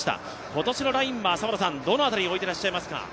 今年のラインはどの辺りに置いていらっしゃいますか？